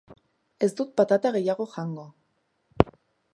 Ez dut patata gehiago jango.